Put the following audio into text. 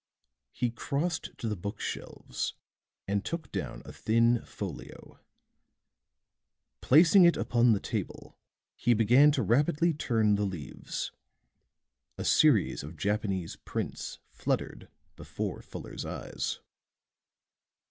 He crossed to the book shelves and took down a thin folio; placing it upon the table, he began to rapidly turn the leaves; a series of Japanese prints fluttered before Fuller's eyes.